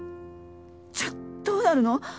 じゃあどうなるの？